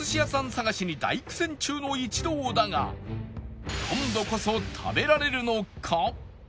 探しに大苦戦中の一同だが今度こそ食べられるのか？